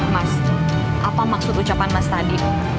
mas apa maksud ucapan mas tadi